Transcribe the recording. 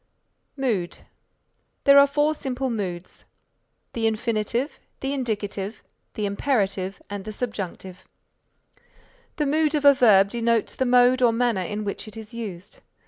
MOOD There are four simple moods, the Infinitive, the Indicative, the Imperative and the Subjunctive. The Mood of a verb denotes the mode or manner in which it is used.